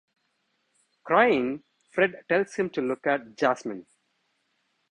Crying, Fred tells him to look at Jasmine.